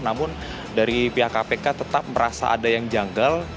namun dari pihak kpk tetap merasa ada yang janggal